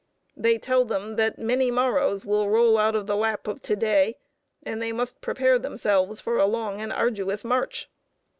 They tell them that many morrows will roll out of the lap of to day, and they must prepare themselves for a long and arduous march.